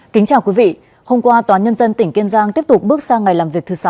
kính chào quý vị hôm qua tòa nhân dân tỉnh kiên giang tiếp tục bước sang ngày làm việc thứ sáu